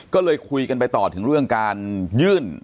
ก็เลยคุยกันไปต่อถึงเรื่องการยื่น